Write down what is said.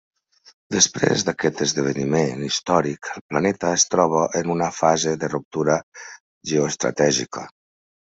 Després d'aquest esdeveniment històric el planeta es troba en una fase de ruptura geoestratègica.